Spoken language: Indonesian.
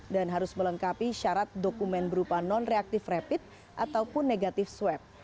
harus melengkapi syarat dokumen berupa non reaktif rapid ataupun negatif swab